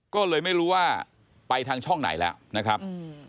ก็เลยไม่รู้ว่าไปทางช่องไหนแล้วนะครับ